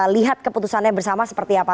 lihat keputusannya bersama seperti apa